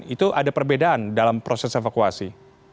itu ada perbedaan dalam proses evakuasi